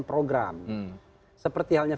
program seperti halnya